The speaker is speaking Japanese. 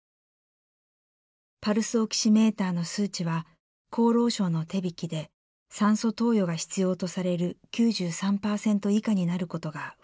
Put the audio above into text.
パルスオキシメーターの数値は厚労省の手引で酸素投与が必要とされる９３％以下になることが増えていきました。